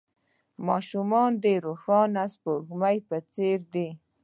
ماشومان د روښانه سپوږمۍ په څېر دي.